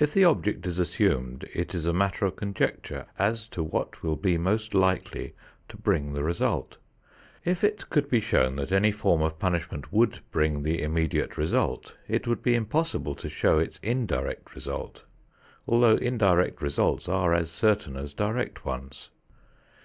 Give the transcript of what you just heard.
If the object is assumed it is a matter of conjecture as to what will be most likely to bring the result. If it could be shown that any form of punishment would bring the immediate result, it would be impossible to show its indirect result although indirect results are as certain as direct ones.